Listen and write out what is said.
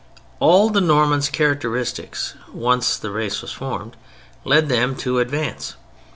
All the Normans' characteristics (once the race was formed), led them to advance.